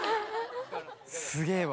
すげぇわ。